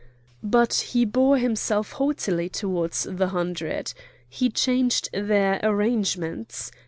But he bore himself haughtily towards the Hundred. He changed their arrangements.